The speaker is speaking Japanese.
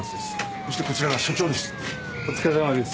そしてこちらが署長です。